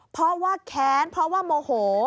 เพราะว่าแค้นเพราะว่าโมโห